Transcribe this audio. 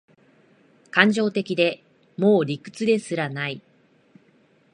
感情的で、もう理屈ですらない